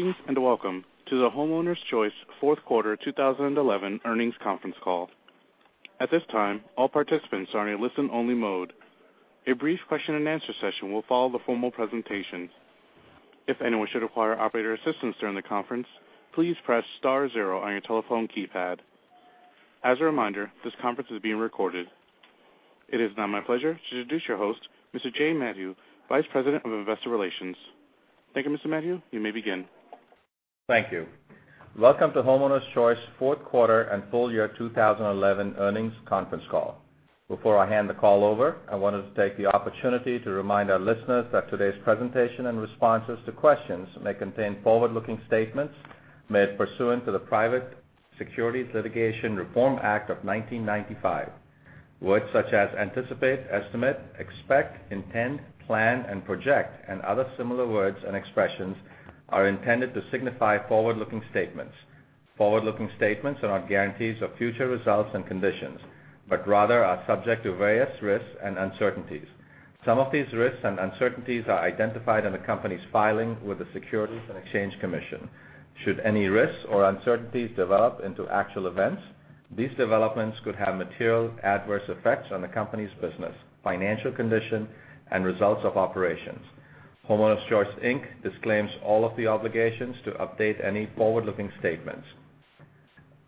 Greetings, welcome to the Homeowners Choice fourth quarter 2011 earnings conference call. At this time, all participants are in a listen-only mode. A brief question and answer session will follow the formal presentation. If anyone should require operator assistance during the conference, please press star zero on your telephone keypad. As a reminder, this conference is being recorded. It is now my pleasure to introduce your host, Mr. Jay Madhu, Vice President of Investor Relations. Thank you, Mr. Madhu. You may begin. Thank you. Welcome to Homeowners Choice fourth quarter and full year 2011 earnings conference call. Before I hand the call over, I wanted to take the opportunity to remind our listeners that today's presentation and responses to questions may contain forward-looking statements made pursuant to the Private Securities Litigation Reform Act of 1995. Words such as anticipate, estimate, expect, intend, plan, and project, and other similar words and expressions are intended to signify forward-looking statements. Forward-looking statements are not guarantees of future results and conditions, but rather are subject to various risks and uncertainties. Some of these risks and uncertainties are identified in the company's filing with the Securities and Exchange Commission. Should any risks or uncertainties develop into actual events, these developments could have material adverse effects on the company's business, financial condition, and results of operations. Homeowners Choice, Inc. disclaims all of the obligations to update any forward-looking statements.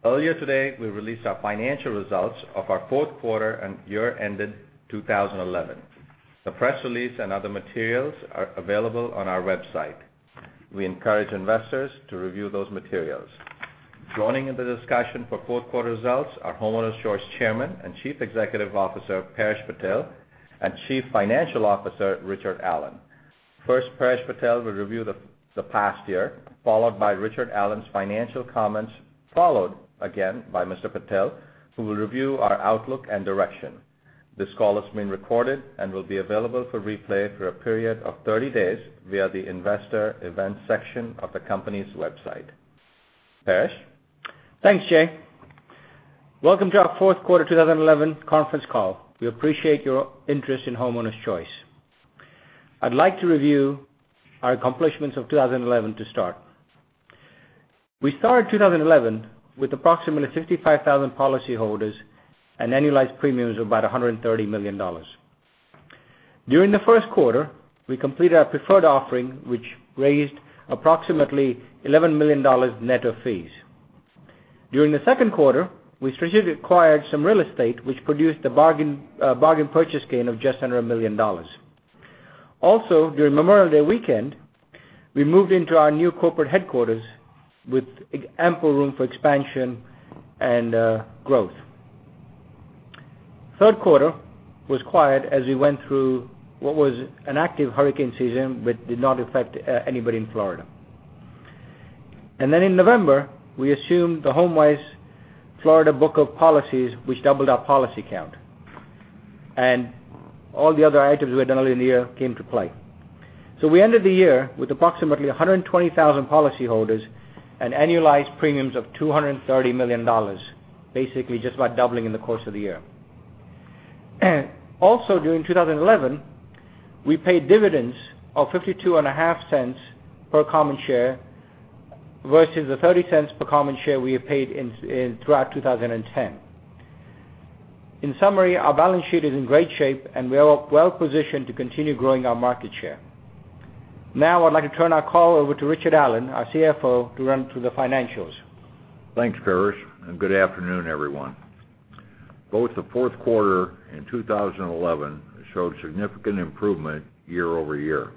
Earlier today, we released our financial results of our fourth quarter and year ended 2011. The press release and other materials are available on our website. We encourage investors to review those materials. Joining in the discussion for fourth quarter results are Homeowners Choice Chairman and Chief Executive Officer, Paresh Patel, and Chief Financial Officer, Richard Allen. First, Paresh Patel will review the past year, followed by Richard Allen's financial comments, followed again by Mr. Patel, who will review our outlook and direction. This call is being recorded and will be available for replay for a period of 30 days via the investor events section of the company's website. Paresh? Thanks, Jay. Welcome to our fourth quarter 2011 conference call. We appreciate your interest in Homeowners Choice. I'd like to review our accomplishments of 2011 to start. We started 2011 with approximately 55,000 policyholders and annualized premiums of about $130 million. During the first quarter, we completed our preferred offering, which raised approximately $11 million net of fees. During the second quarter, we strategically acquired some real estate, which produced the bargain purchase gain of just under $1 million. During Memorial Day weekend, we moved into our new corporate headquarters with ample room for expansion and growth. Third quarter was quiet as we went through what was an active hurricane season, but did not affect anybody in Florida. In November, we assumed the HomeWise Florida book of policies, which doubled our policy count. All the other items we had done earlier in the year came to play. We ended the year with approximately 120,000 policyholders and annualized premiums of $230 million. Basically, just about doubling in the course of the year. Also during 2011, we paid dividends of 52 and a half cents per common share versus the $0.30 per common share we had paid throughout 2010. In summary, our balance sheet is in great shape, and we are well-positioned to continue growing our market share. I'd like to turn our call over to Richard Allen, our CFO, to run through the financials. Thanks, Paresh, and good afternoon, everyone. Both the fourth quarter and 2011 showed significant improvement year-over-year.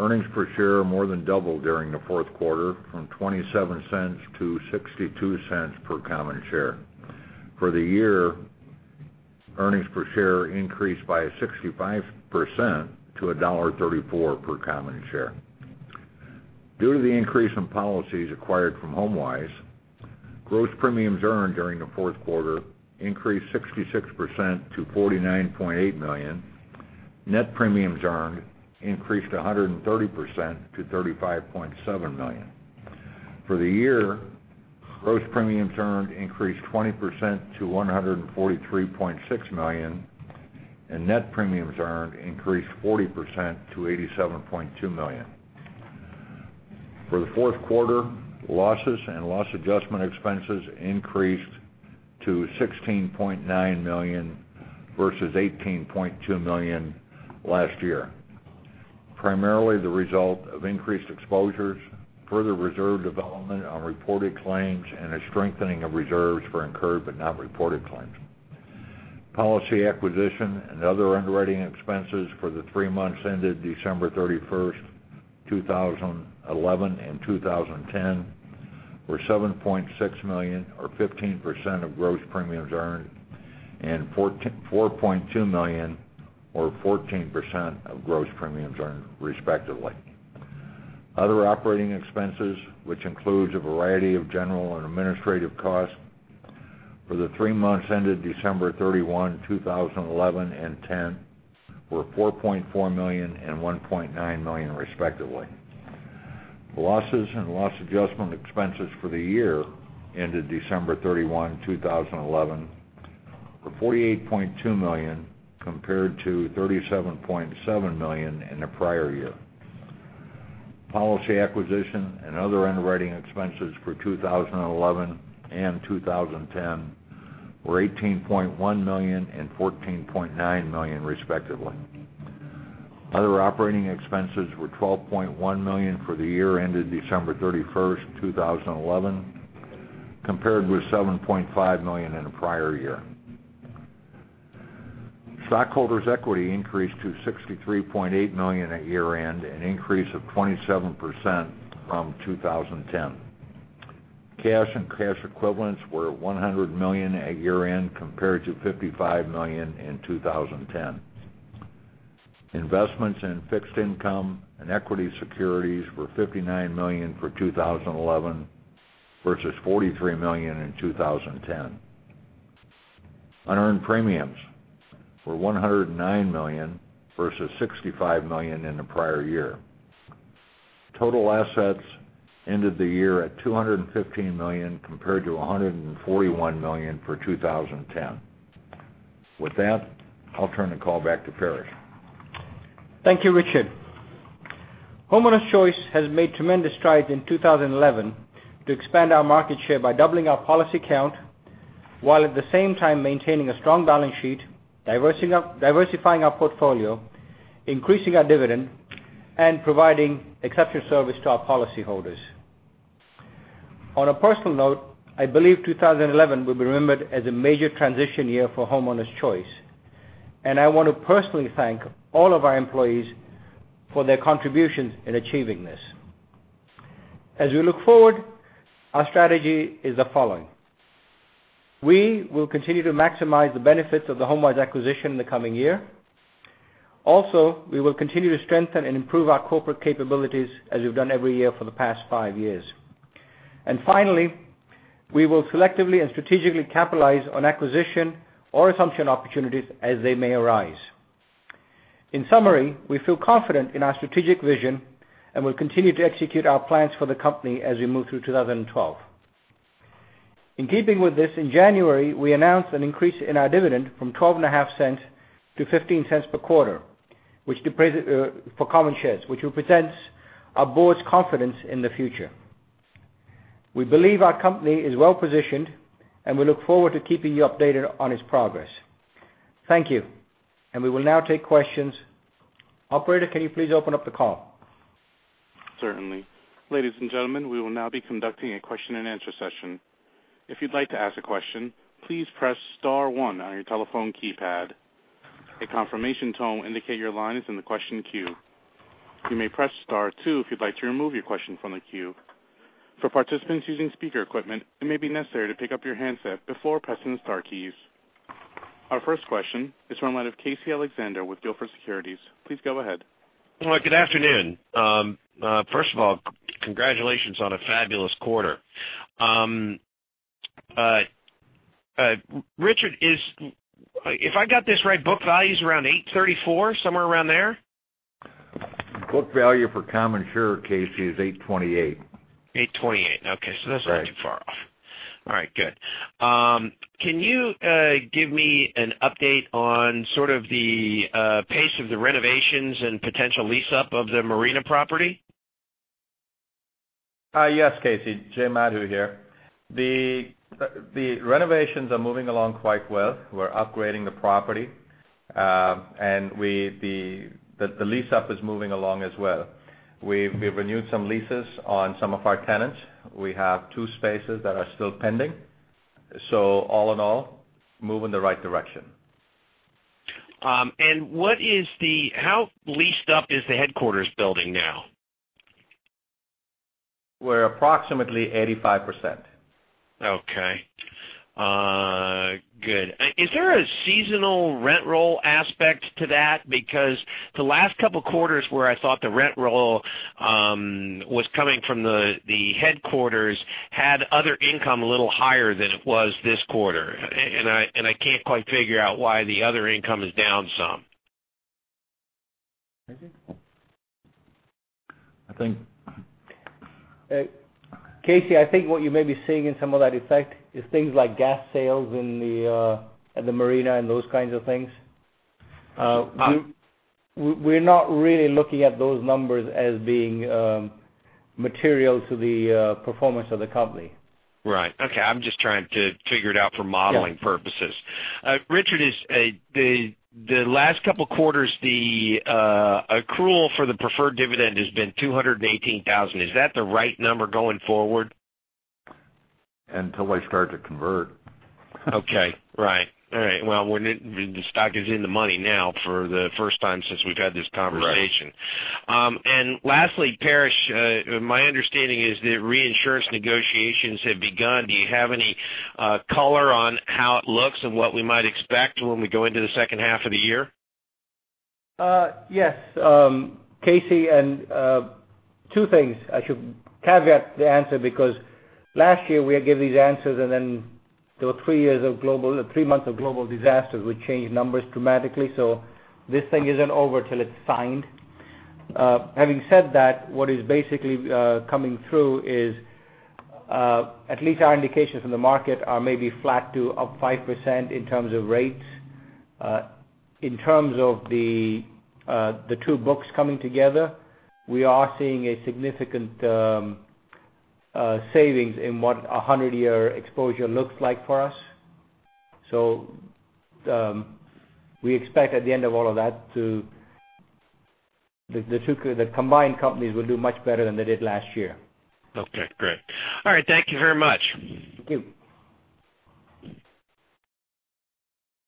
Earnings per share more than doubled during the fourth quarter, from $0.27 to $0.62 per common share. For the year, earnings per share increased by 65% to $1.34 per common share. Due to the increase in policies acquired from HomeWise, gross premiums earned during the fourth quarter increased 66% to $49.8 million. Net premiums earned increased 130% to $35.7 million. For the year, gross premiums earned increased 20% to $143.6 million, and net premiums earned increased 40% to $87.2 million. For the fourth quarter, losses and loss adjustment expenses increased to $16.9 million versus $18.2 million last year, primarily the result of increased exposures, further reserve development on reported claims, and a strengthening of reserves for incurred but not reported claims. Policy acquisition and other underwriting expenses for the three months ended December 31st, 2011 and 2010, were $7.6 million or 15% of gross premiums earned, and $4.2 million or 14% of gross premiums earned respectively. Other operating expenses, which includes a variety of general and administrative costs, for the three months ended December 31, 2011 and 2010, were $4.4 million and $1.9 million respectively. Losses and loss adjustment expenses for the year ended December 31, 2011 were $48.2 million compared to $37.7 million in the prior year. Policy acquisition and other underwriting expenses for 2011 and 2010 were $18.1 million and $14.9 million respectively. Other operating expenses were $12.1 million for the year ended December 31st, 2011, compared with $7.5 million in the prior year. Stockholders' equity increased to $63.8 million at year-end, an increase of 27% from 2010. Cash and cash equivalents were $100 million at year-end, compared to $55 million in 2010. Investments in fixed income and equity securities were $59 million for 2011 versus $43 million in 2010. Unearned premiums were $109 million versus $65 million in the prior year. Total assets ended the year at $215 million compared to $141 million for 2010. With that, I'll turn the call back to Paresh. Thank you, Richard. Homeowners Choice has made tremendous strides in 2011 to expand our market share by doubling our policy count, while at the same time maintaining a strong balance sheet, diversifying our portfolio, increasing our dividend, and providing exceptional service to our policyholders. On a personal note, I believe 2011 will be remembered as a major transition year for Homeowners Choice, and I want to personally thank all of our employees for their contributions in achieving this. As we look forward, our strategy is the following. We will continue to maximize the benefits of the Homeowners acquisition in the coming year. We will continue to strengthen and improve our corporate capabilities as we've done every year for the past five years. Finally, we will selectively and strategically capitalize on acquisition or assumption opportunities as they may arise. In summary, we feel confident in our strategic vision and will continue to execute our plans for the company as we move through 2012. In keeping with this, in January, we announced an increase in our dividend from $0.125 to $0.15 per quarter for common shares, which represents our board's confidence in the future. We believe our company is well-positioned, and we look forward to keeping you updated on its progress. Thank you, and we will now take questions. Operator, can you please open up the call? Certainly. Ladies and gentlemen, we will now be conducting a question and answer session. If you'd like to ask a question, please press *1 on your telephone keypad. A confirmation tone will indicate your line is in the question queue. You may press *2 if you'd like to remove your question from the queue. For participants using speaker equipment, it may be necessary to pick up your handset before pressing the star keys. Our first question is from the line of Casey Alexander with Gilford Securities. Please go ahead. Good afternoon. First of all, congratulations on a fabulous quarter. Richard, if I got this right, book value is around $834, somewhere around there? Book value for common share, Casey, is $828. $828. Okay. That's not too far off. Right. All right, good. Can you give me an update on sort of the pace of the renovations and potential lease-up of the marina property? Yes, Casey. Jay Madhu here. The renovations are moving along quite well. We're upgrading the property. The lease-up is moving along as well. We've renewed some leases on some of our tenants. We have two spaces that are still pending. All in all, moving in the right direction. How leased up is the headquarters building now? We're approximately 85%. Okay. Good. Is there a seasonal rent roll aspect to that? The last couple of quarters where I thought the rent roll was coming from the headquarters had other income a little higher than it was this quarter. I can't quite figure out why the other income is down some. Casey? I think. Casey, I think what you may be seeing in some of that effect is things like gas sales at the marina and those kinds of things. Huh? We're not really looking at those numbers as being material to the performance of the company. Right. Okay. I'm just trying to figure it out for modeling purposes. Yeah. Richard, the last couple of quarters, the accrual for the preferred dividend has been $218,000. Is that the right number going forward? Until they start to convert. Okay. Right. All right. The stock is in the money now for the first time since we've had this conversation. Right. Lastly, Paresh, my understanding is that reinsurance negotiations have begun. Do you have any color on how it looks and what we might expect when we go into the second half of the year? Yes, Casey. Two things. I should caveat the answer because last year we gave these answers, and then there were three months of global disasters, which changed numbers dramatically. This thing isn't over till it's signed. Having said that, what is basically coming through is, at least our indications from the market are maybe flat to up 5% in terms of rates. In terms of the two books coming together, we are seeing a significant savings in what a 100-year exposure looks like for us. We expect at the end of all of that, the combined companies will do much better than they did last year. Okay, great. All right, thank you very much. Thank you.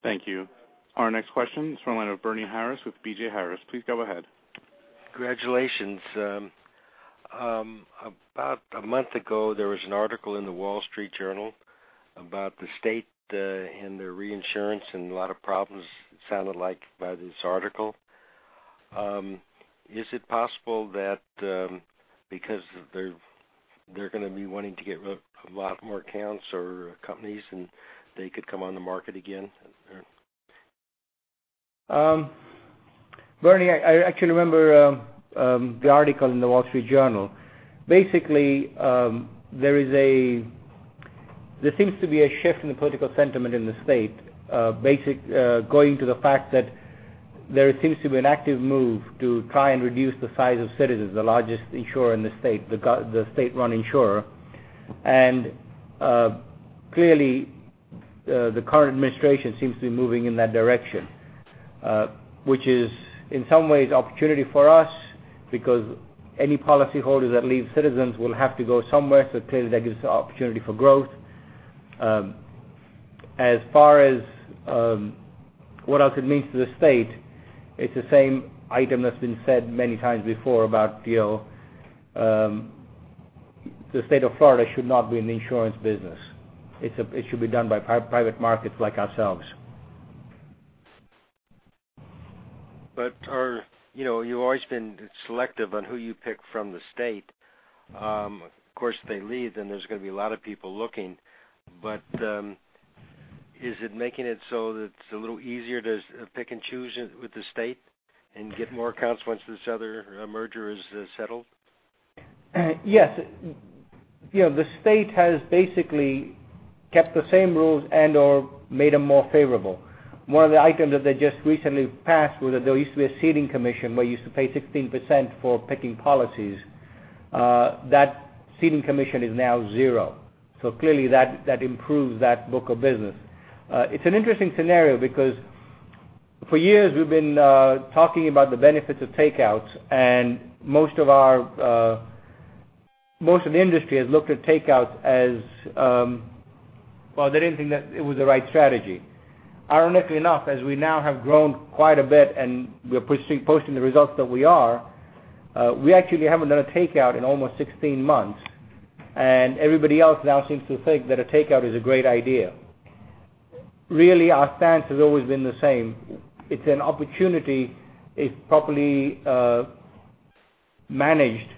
Thank you. Our next question is from the line of Bernie Harris with BJ Harris. Please go ahead. Congratulations. About a month ago, there was an article in The Wall Street Journal about the state and their reinsurance and a lot of problems, it sounded like, by this article. Is it possible that because they're going to be wanting to get rid of a lot more accounts or companies, and they could come on the market again? Bernie, I actually remember the article in The Wall Street Journal. Basically, there seems to be a shift in the political sentiment in the state, going to the fact that there seems to be an active move to try and reduce the size of Citizens, the largest insurer in the state, the state-run insurer. Clearly, the current administration seems to be moving in that direction, which is in some ways an opportunity for us because any policyholder that leaves Citizens will have to go somewhere. Clearly, that gives us the opportunity for growth. As far as what else it means to the state, it's the same item that's been said many times before about the State of Florida should not be in the insurance business. It should be done by private markets like ourselves. You've always been selective on who you pick from the state. Of course, if they leave, then there's going to be a lot of people looking. Is it making it so that it's a little easier to pick and choose with the state and get more accounts once this other merger is settled? Yes. The state has basically kept the same rules and/or made them more favorable. One of the items that they just recently passed was that there used to be a ceding commission where you used to pay 16% for picking policies. That ceding commission is now zero. Clearly, that improves that book of business. It's an interesting scenario because for years we've been talking about the benefits of takeouts and most of the industry has looked at takeouts as, well, they didn't think that it was the right strategy. Ironically enough, as we now have grown quite a bit and we're posting the results that we are, we actually haven't done a takeout in almost 16 months, and everybody else now seems to think that a takeout is a great idea. Really, our stance has always been the same. It's an opportunity, if properly managed,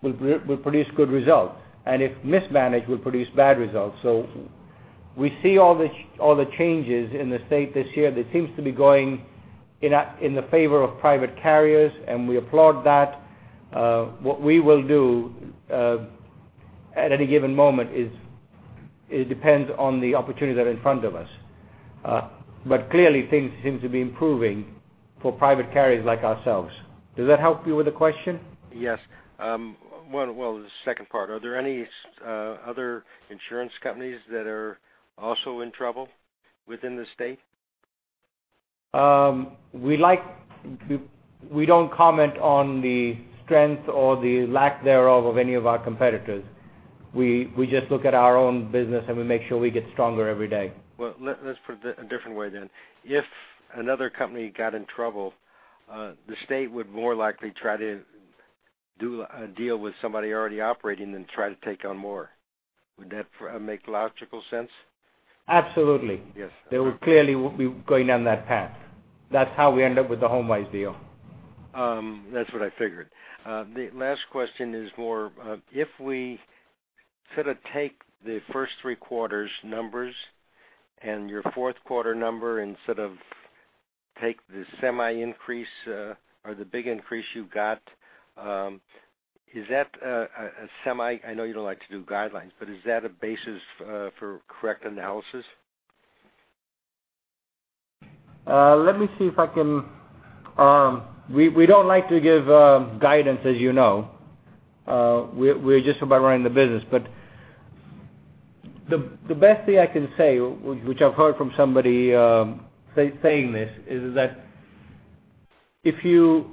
will produce good results, and if mismanaged, will produce bad results. We see all the changes in the state this year that seems to be going in the favor of private carriers, and we applaud that. What we will do at any given moment depends on the opportunities that are in front of us. Clearly, things seem to be improving for private carriers like ourselves. Does that help you with the question? Yes. Well, the second part, are there any other insurance companies that are also in trouble within the State? We don't comment on the strength or the lack thereof of any of our competitors. We just look at our own business, and we make sure we get stronger every day. Well, let's put it a different way then. If another company got in trouble, the State would more likely try to do a deal with somebody already operating than try to take on more. Would that make logical sense? Absolutely. Yes. They clearly would be going down that path. That's how we end up with the HomeWise deal. That's what I figured. The last question is more, if we take the first three quarters numbers and your fourth quarter number and take the semi increase or the big increase you got, is that a semi, I know you don't like to do guidelines, but is that a basis for correct analysis? Let me see. We don't like to give guidance as you know. We're just about running the business, but the best thing I can say, which I've heard from somebody saying this, is that if you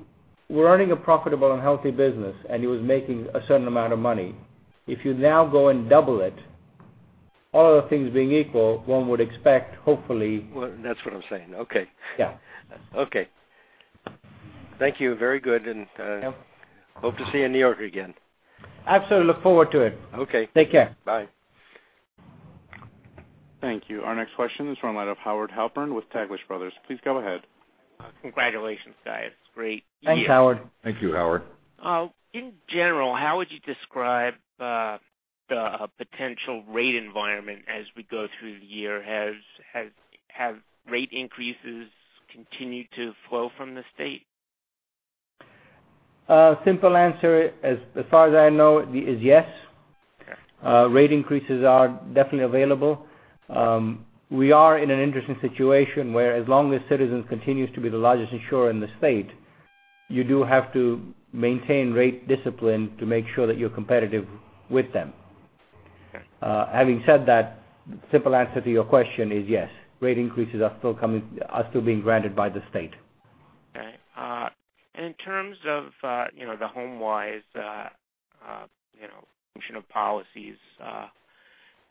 were running a profitable and healthy business and it was making a certain amount of money, if you now go and double it, all other things being equal, one would expect. Well, that's what I'm saying. Okay. Yeah. Okay. Thank you. Very good. Yep. Hope to see you in New York again. Absolutely look forward to it. Okay. Take care. Bye. Thank you. Our next question is from the line of Howard Halpern with Taglich Brothers. Please go ahead. Congratulations, guys. Great. Thanks, Howard. Thank you, Howard. In general, how would you describe the potential rate environment as we go through the year? Have rate increases continued to flow from the state? Simple answer is, as far as I know, is yes. Okay. Rate increases are definitely available. We are in an interesting situation where as long as Citizens continues to be the largest insurer in the state, you do have to maintain rate discipline to make sure that you're competitive with them. Okay. Having said that, simple answer to your question is yes, rate increases are still being granted by the state. Okay. In terms of the HomeWise function of policies,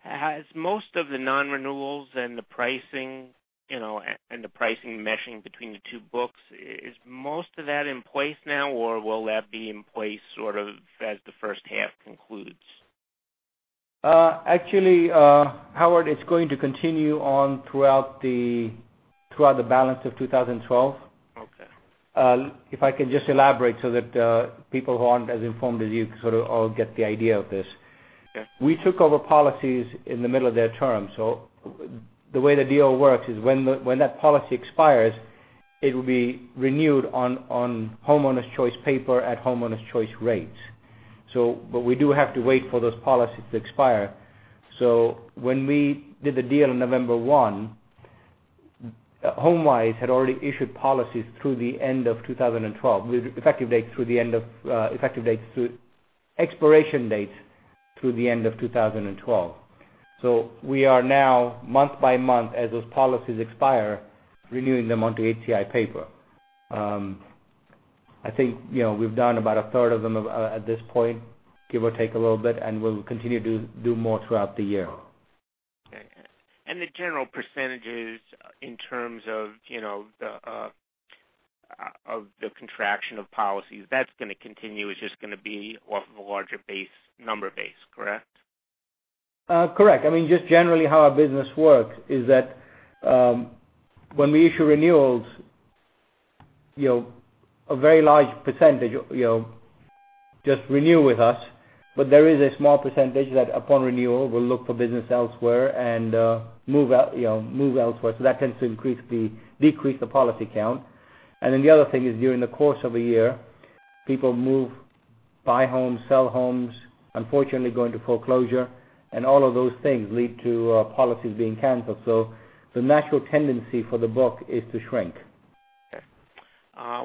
has most of the non-renewals and the pricing meshing between the two books, is most of that in place now, or will that be in place sort of as the first half concludes? Actually, Howard, it's going to continue on throughout the balance of 2012. Okay. If I can just elaborate so that people who aren't as informed as you sort of all get the idea of this. Okay. We took over policies in the middle of their term, so the way the deal works is when that policy expires, it will be renewed on Homeowners Choice paper at Homeowners Choice rates. We do have to wait for those policies to expire. When we did the deal on November 1, HomeWise had already issued policies through the end of 2012, with expiration dates through the end of 2012. We are now, month by month, as those policies expire, renewing them onto HCI paper. I think we've done about a third of them at this point, give or take a little bit, and we'll continue to do more throughout the year. Okay. The general percentages in terms of the contraction of policies, that's going to continue. It's just going to be off of a larger number base, correct? Correct. I mean, just generally how our business works is that, when we issue renewals, a very large percentage just renew with us. There is a small percentage that upon renewal, will look for business elsewhere and move elsewhere. That tends to decrease the policy count. Then the other thing is during the course of a year, people move, buy homes, sell homes, unfortunately go into foreclosure, and all of those things lead to policies being canceled. The natural tendency for the book is to shrink. Okay.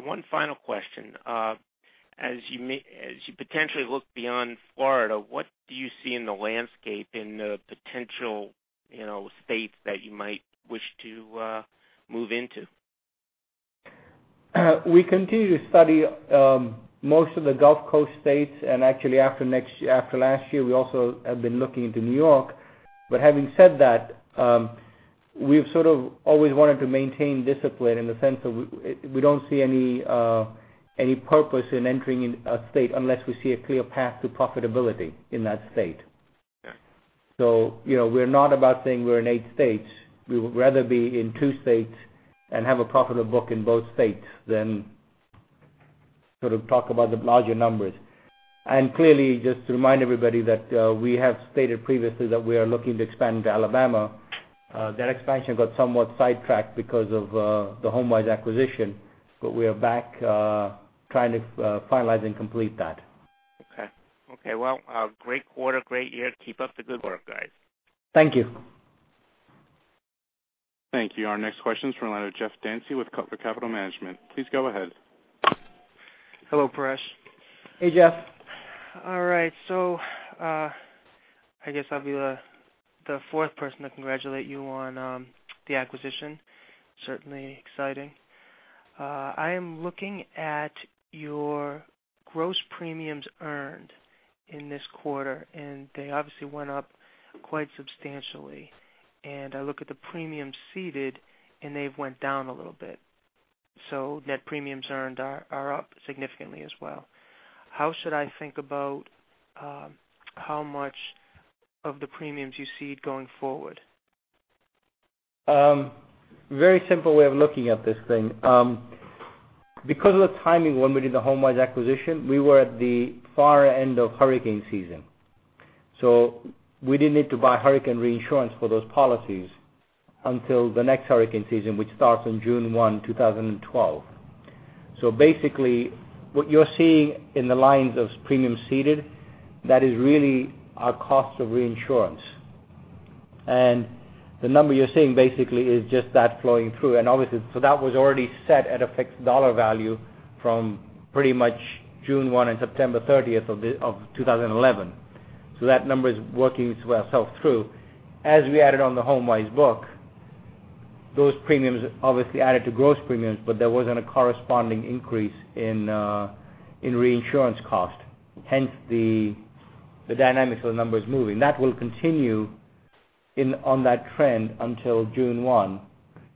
One final question. As you potentially look beyond Florida, what do you see in the landscape in the potential states that you might wish to move into? We continue to study most of the Gulf Coast states, actually after last year, we also have been looking into New York. Having said that, we've sort of always wanted to maintain discipline in the sense of, we don't see any purpose in entering a state unless we see a clear path to profitability in that state. Okay. We're not about saying we're in eight states. We would rather be in two states and have a profitable book in both states than sort of talk about the larger numbers. Clearly, just to remind everybody that we have stated previously that we are looking to expand into Alabama. That expansion got somewhat sidetracked because of the HomeWise acquisition, we are back trying to finalize and complete that. Okay. Well, great quarter, great year. Keep up the good work, guys. Thank you. Thank you. Our next question is from the line of Jeff Dancy with Copper Capital Management. Please go ahead. Hello, Paresh. Hey, Jeff. All right, I guess I'll be the fourth person to congratulate you on the acquisition. Certainly exciting. I am looking at your gross premiums earned in this quarter, they obviously went up quite substantially. I look at the premiums ceded, and they've went down a little bit. Net premiums earned are up significantly as well. How should I think about how much of the premiums you cede going forward? Very simple way of looking at this thing. Because of the timing when we did the HomeWise acquisition, we were at the far end of hurricane season. We didn't need to buy hurricane reinsurance for those policies until the next hurricane season, which starts on June 1, 2012. Basically, what you're seeing in the lines of premiums ceded, that is really our cost of reinsurance. The number you're seeing basically is just that flowing through. Obviously, that was already set at a fixed dollar value from pretty much June 1 and September 30th of 2011. That number is working itself through. As we added on the HomeWise book, those premiums obviously added to gross premiums, but there wasn't a corresponding increase in reinsurance cost. Hence, the dynamics of the numbers moving. That will continue on that trend until June 1,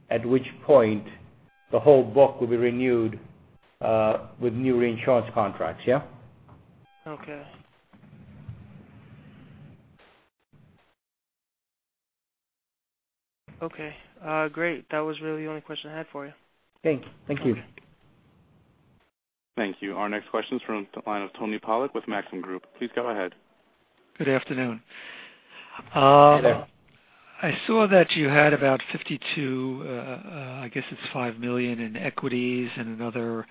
at which point the whole book will be renewed with new reinsurance contracts. Yeah? Okay. Okay. Great. That was really the only question I had for you. Thanks. Thank you. Thank you. Our next question's from the line of Tony Pollock with Maxim Group. Please go ahead. Good afternoon. Hey there. I saw that you had about 52, I guess it's $5 million in equities and another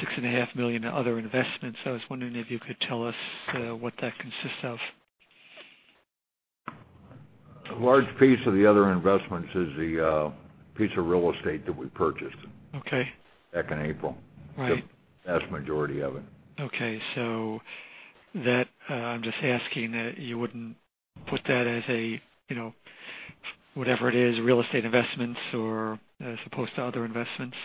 $6 and a half million in other investments. I was wondering if you could tell us what that consists of. A large piece of the other investments is the piece of real estate that we purchased. Okay. Back in April. Right. The vast majority of it. I'm just asking, you wouldn't put that as a, whatever it is, real estate investments or, as opposed to other investments?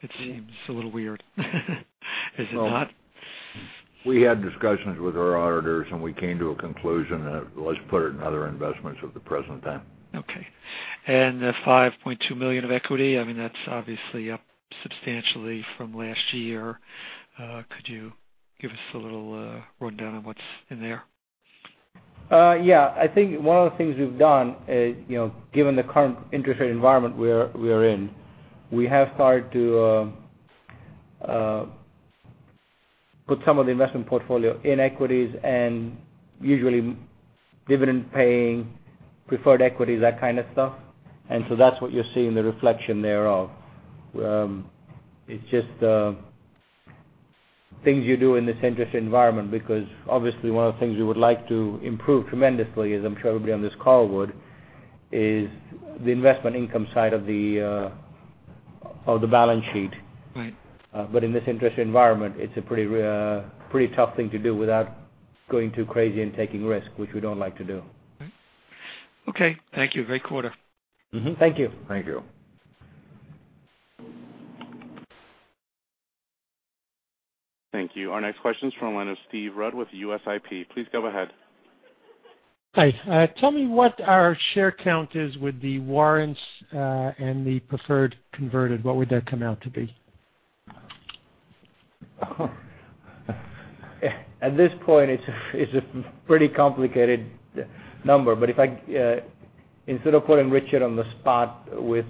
It seems a little weird. Is it not? Well, we had discussions with our auditors, we came to a conclusion, let's put it in other investments at the present time. The $5.2 million of equity, I mean, that's obviously up substantially from last year. Could you give us a little rundown on what's in there? I think one of the things we've done, given the current interest rate environment we are in, we have started to put some of the investment portfolio in equities, and usually dividend-paying preferred equity, that kind of stuff. That's what you're seeing the reflection thereof. It's just things you do in this interest environment, because obviously one of the things we would like to improve tremendously, as I'm sure everybody on this call would, is the investment income side of the balance sheet. Right. In this interest environment, it's a pretty tough thing to do without going too crazy and taking risk, which we don't like to do. Okay. Thank you. Great quarter. Mm-hmm. Thank you. Thank you. Thank you. Our next question's from the line of Steve Rudd with USIP. Please go ahead. Hi. Tell me what our share count is with the warrants, and the preferred converted. What would that come out to be? At this point, it's a pretty complicated number. Instead of putting Richard on the spot with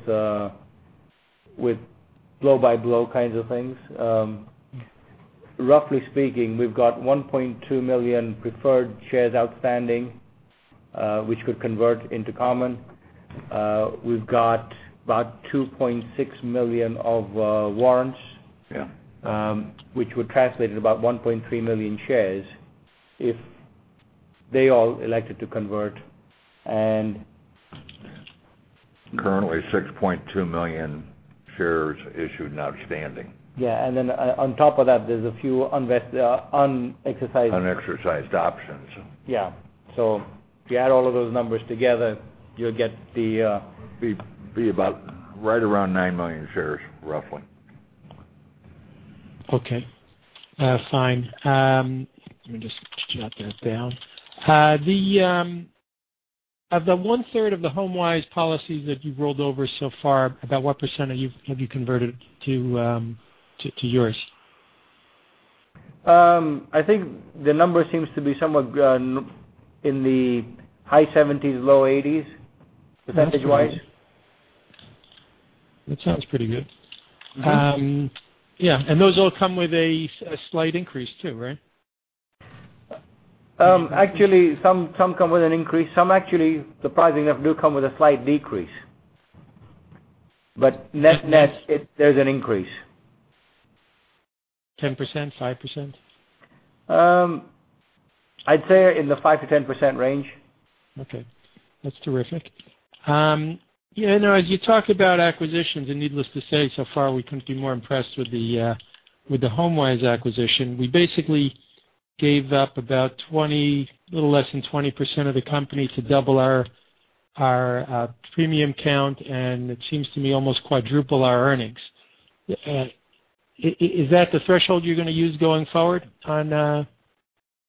blow-by-blow kinds of things, roughly speaking, we've got 1.2 million preferred shares outstanding, which could convert into common. We've got about 2.6 million of warrants. Yeah. Which would translate at about 1.3 million shares if they all elected to convert. Currently 6.2 million shares issued and outstanding. Yeah. On top of that, there's a few. Unexercised options. Yeah. If you add all of those numbers together, you'll get the- Be about right around nine million shares, roughly. Okay. Fine. Let me just jot that down. Of the one-third of the HomeWise policies that you've rolled over so far, about what % have you converted to yours? I think the number seems to be somewhat in the high 70s, low 80s, percentage-wise. That sounds pretty good. Yeah. Those all come with a slight increase too, right? Actually, some come with an increase. Some actually, surprisingly enough, do come with a slight decrease. Net-net, there's an increase. 10%? 5%? I'd say in the 5%-10% range. Okay. That's terrific. As you talk about acquisitions, needless to say, so far, we couldn't be more impressed with the HomeWise acquisition. We basically gave up about a little less than 20% of the company to double our premium count, it seems to me, almost quadruple our earnings. Is that the threshold you're going to use going forward on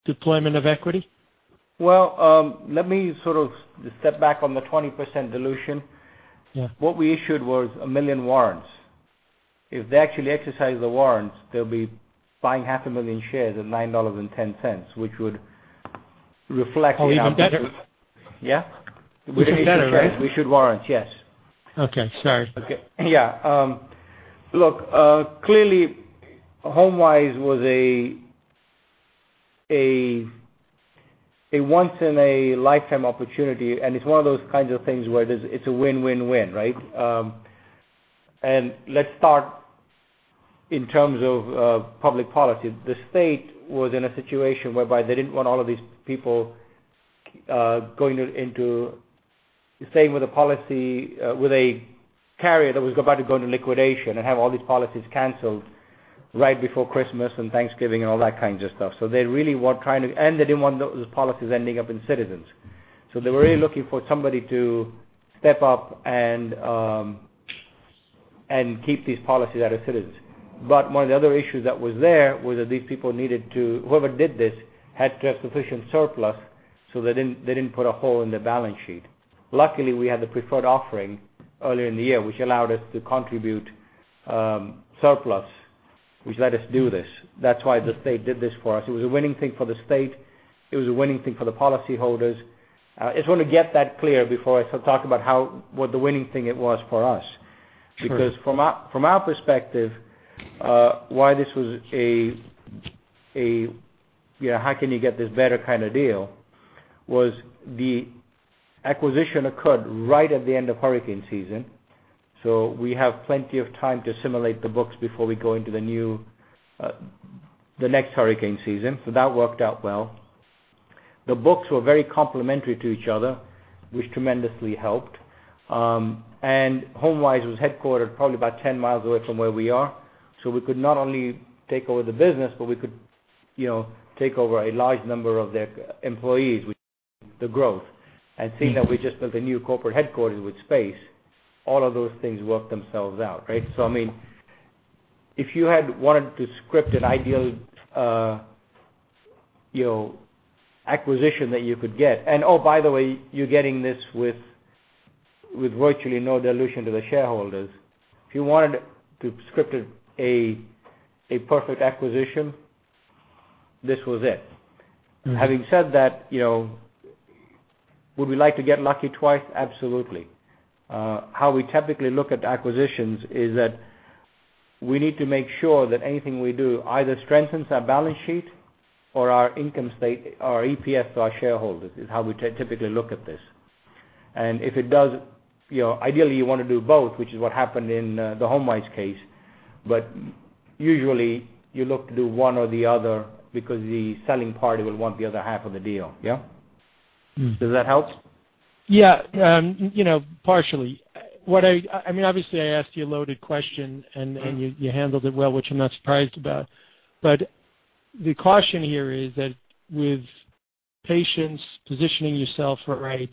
deployment of equity? Well, let me sort of step back on the 20% dilution. Yeah. What we issued was 1 million warrants. If they actually exercise the warrants, they'll be buying half a million shares at $9.10, which would reflect. Oh, even better. Yeah. Even better, right? We issued warrants, yes. Okay. Sorry. Yeah. Look, clearly HomeWise was a once in a lifetime opportunity, and it's one of those kinds of things where it's a win-win-win, right? Let's start in terms of public policy. The state was in a situation whereby they didn't want all of these people staying with a carrier that was about to go into liquidation and have all these policies canceled right before Christmas and Thanksgiving and all that kinds of stuff. They didn't want those policies ending up in Citizens. They were really looking for somebody to step up and keep these policies out of Citizens. One of the other issues that was there was that these people needed to, whoever did this, had to have sufficient surplus, so they didn't put a hole in their balance sheet. Luckily, we had the preferred offering earlier in the year, which allowed us to contribute surplus which let us do this. That's why the state did this for us. It was a winning thing for the state. It was a winning thing for the policy holders. I just want to get that clear before I talk about what the winning thing it was for us. Sure. From our perspective, why this was a how can you get this better kind of deal, was the acquisition occurred right at the end of hurricane season. We have plenty of time to assimilate the books before we go into the next hurricane season. That worked out well. The books were very complementary to each other, which tremendously helped. HomeWise was headquartered probably about 10 miles away from where we are, so we could not only take over the business, but we could take over a large number of their employees, which helped the growth. Seeing that we just built a new corporate headquarters with space, all of those things worked themselves out. Right? If you had wanted to script an ideal acquisition that you could get, and oh, by the way, you're getting this with virtually no dilution to the shareholders. If you wanted to script a perfect acquisition, this was it. Having said that, would we like to get lucky twice? Absolutely. How we typically look at acquisitions is that we need to make sure that anything we do either strengthens our balance sheet or our income state, our EPS to our shareholders, is how we typically look at this. Ideally you want to do both, which is what happened in the HomeWise case. Usually you look to do one or the other because the selling party will want the other half of the deal, yeah? Does that help? Yeah. Partially. Obviously I asked you a loaded question, and you handled it well, which I'm not surprised about. The caution here is that with patience, positioning yourself right,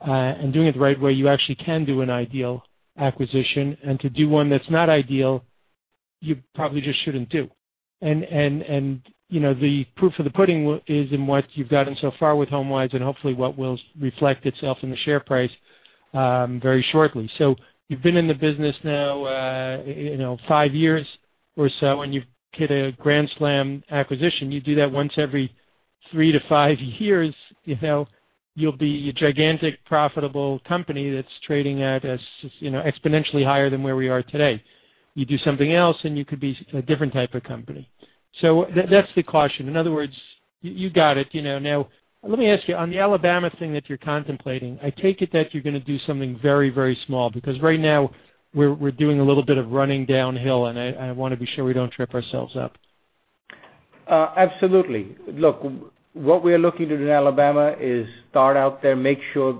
and doing it the right way, you actually can do an ideal acquisition. To do one that's not ideal, you probably just shouldn't do. The proof of the pudding is in what you've gotten so far with HomeWise and hopefully what will reflect itself in the share price very shortly. You've been in the business now five years or so, and you hit a grand slam acquisition. You do that once every three to five years, you'll be a gigantic, profitable company that's trading at exponentially higher than where we are today. You do something else, and you could be a different type of company. That's the caution. In other words, you got it. Now, let me ask you, on the Alabama thing that you're contemplating, I take it that you're going to do something very, very small, because right now we're doing a little bit of running downhill, and I want to be sure we don't trip ourselves up. Absolutely. Look, what we are looking to do in Alabama is start out there, make sure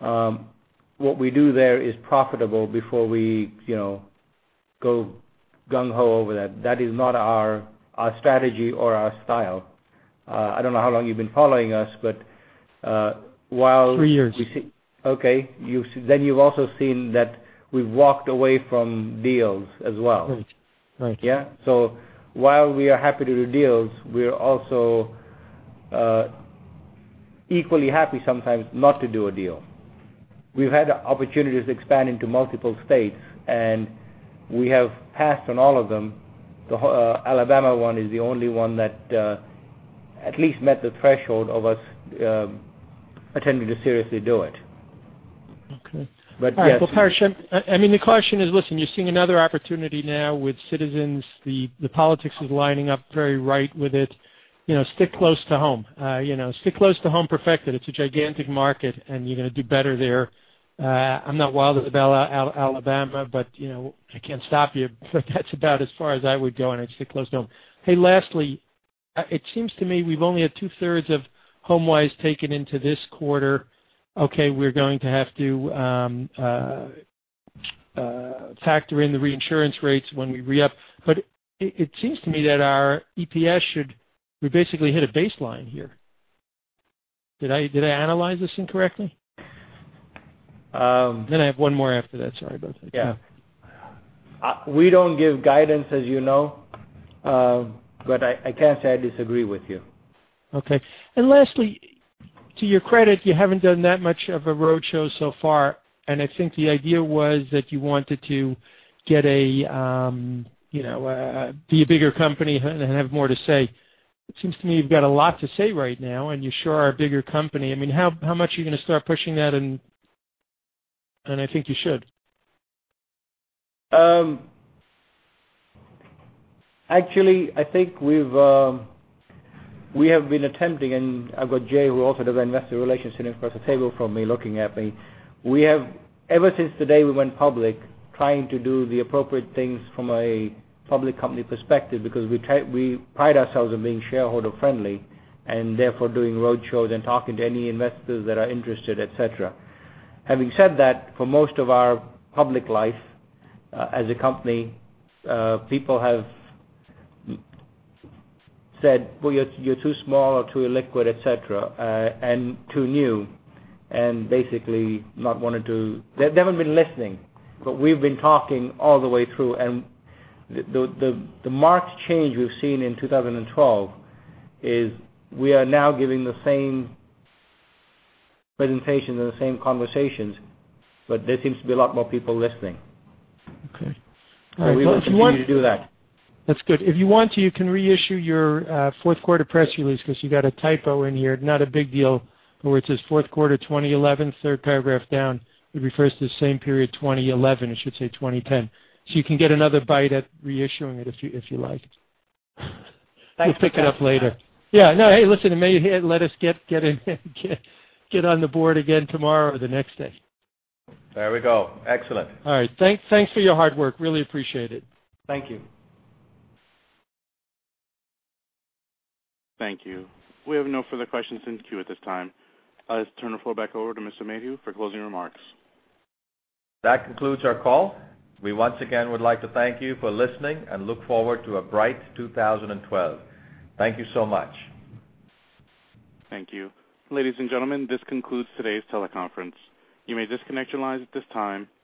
what we do there is profitable before we go gung ho over that. That is not our strategy or our style. I don't know how long you've been following us, but while- Three years. Okay. You've also seen that we've walked away from deals as well. Right. Yeah? While we are happy to do deals, we are also equally happy sometimes not to do a deal. We've had opportunities expand into multiple states, and we have passed on all of them. The Alabama one is the only one that at least met the threshold of us attending to seriously do it. Okay. Yes. All right. Well, Paresh, the caution is, listen, you're seeing another opportunity now with Citizens. The politics is lining up very right with it. Stick close to home. Stick close to home, perfect it. It's a gigantic market, and you're going to do better there. I'm not wild about Alabama, but I can't stop you. That's about as far as I would go on it. Stick close to home. Hey, lastly, it seems to me we've only had two-thirds of HomeWise taken into this quarter. Okay, we're going to have to factor in the reinsurance rates when we re-up. It seems to me that our EPS should, we basically hit a baseline here. Did I analyze this incorrectly? Then I have one more after that. Sorry about that. Yeah. We don't give guidance, as you know. I can't say I disagree with you. Okay. Lastly, to your credit, you haven't done that much of a road show so far, and I think the idea was that you wanted to be a bigger company and have more to say. It seems to me you've got a lot to say right now, and you sure are a bigger company. How much are you going to start pushing that? I think you should. Actually, I think we have been attempting, and I've got Jay, who also does investor relations, sitting across the table from me, looking at me. We have, ever since the day we went public, trying to do the appropriate things from a public company perspective because we pride ourselves on being shareholder friendly, and therefore doing road shows and talking to any investors that are interested, et cetera. Having said that, for most of our public life as a company, people have said, "Well, you're too small, or too illiquid, et cetera, and too new," and basically not wanted to. They haven't been listening. We've been talking all the way through. The marked change we've seen in 2012 is we are now giving the same presentation and the same conversations, but there seems to be a lot more people listening. Okay. All right. If you want. We will continue to do that. That's good. If you want to, you can reissue your fourth quarter press release because you got a typo in here. Not a big deal, but where it says fourth quarter 2011, third paragraph down, it refers to the same period 2011. It should say 2010. You can get another bite at reissuing it if you like. Thanks. We'll pick it up later. Yeah. No, hey, listen, Madhu, let us get on the board again tomorrow or the next day. There we go. Excellent. All right. Thanks for your hard work. Really appreciate it. Thank you. Thank you. We have no further questions in the queue at this time. I'll just turn the floor back over to Mr. Madhu for closing remarks. That concludes our call. We once again would like to thank you for listening and look forward to a bright 2012. Thank you so much. Thank you. Ladies and gentlemen, this concludes today's teleconference. You may disconnect your lines at this time.